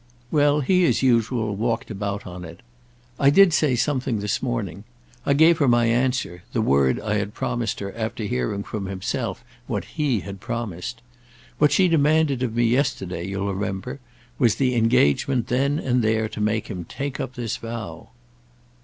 Well, he as usual walked about on it. "I did say something this morning. I gave her my answer—the word I had promised her after hearing from himself what he had promised. What she demanded of me yesterday, you'll remember, was the engagement then and there to make him take up this vow."